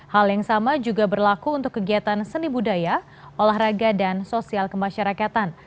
hal yang sama juga berlaku untuk kegiatan seni budaya olahraga dan sosial kemasyarakatan